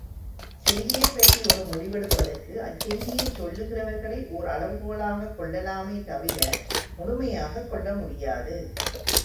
செய்தியைப்பற்றி ஒரு முடிவெடுப்பதற்கு அச்செய்தியைச் சொல்லுகிறவர்களை ஒர் அளவு கோலாகக் கொள்ளலாமே தவிர, முழுமையாகக் கொள்ள முடியாது.